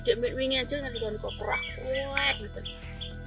kalau dianggu aja nanti kalau kurang kok